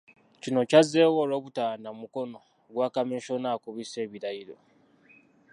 Kino kyazzeewo olw'obutaba na mukono gwa Kamisona akubisa ebirayiro.